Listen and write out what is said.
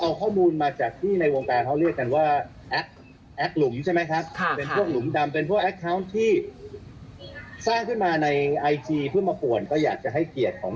ไอ้รุ้นค่ะแจ๊กเกอรีน